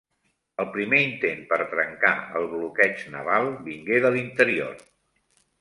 El primer intent per trencar el bloqueig naval vingué de l'interior.